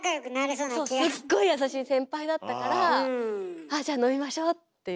そうすっごい優しい先輩だったからああじゃあ飲みましょうって言って。